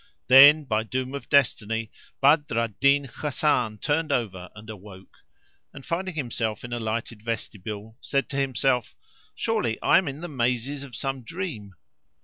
Then, by doom of Destiny, Badr al Din Hasan turned over and awoke; and, finding himself in a lighted vestibule, said to himself, "Surely I am in the mazes of some dream."